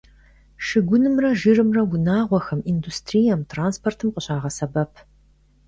Шыгунымрэ жырымрэ унагъуэхэм, индустрием, транспортым къыщагъэсэбэп.